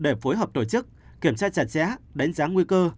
để phối hợp tổ chức kiểm tra chặt chẽ đánh giá nguy cơ